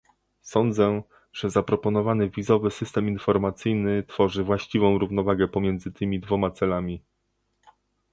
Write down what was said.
Sądzę, że zaproponowany wizowy system informacyjny tworzy właściwą równowagę pomiędzy tymi dwoma celami